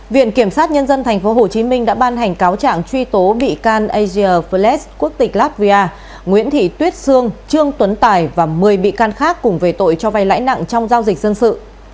viện kiểm sát nhân dân tp hcm đã ban hành cáo trạng truy tố bị can asia fletch quốc tịch latvia nguyễn thị tuyết sương trương tuấn tài và một mươi bị can khác cùng về tội cho vay lãi nặng trong giao dịch dân sự